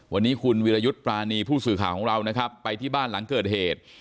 วันนี้คุณวิรยุทธ์ปรานีผู้สื่อข่าวของเรานะครับไปที่บ้านหลังเกิดเหตุ